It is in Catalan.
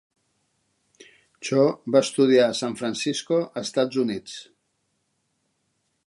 Cho va estudiar a San Francisco, Estats Units.